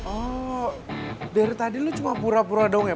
oh dari tadi lu cuma pura pura dong ya